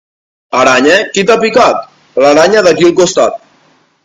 Aranya, qui t'ha picat? L'aranya d'aquí al costat.